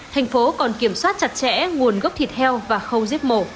thành phố còn kiểm soát chặt chẽ nguồn gốc thịt heo và khâu giết mổ